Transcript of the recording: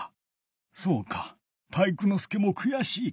そうか体育ノ介もくやしいか。